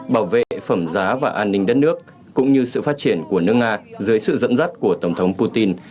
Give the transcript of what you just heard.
bảo vệ phẩm giá và an ninh đất nước cũng như sự phát triển của nước nga dưới sự dẫn dắt của tổng thống putin